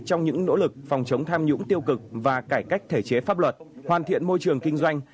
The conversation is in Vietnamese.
trong những nỗ lực phòng chống tham nhũng tiêu cực và cải cách thể chế pháp luật hoàn thiện môi trường kinh doanh